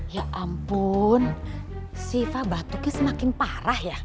ya ampun siva batuknya semakin parah ya